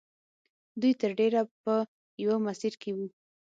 دوی تر ډېره په یوه مسیر کې وو